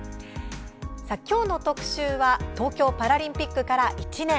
今日の特集は東京パラリンピックから１年。